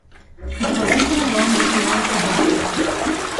It was eaten along with lamb kabab.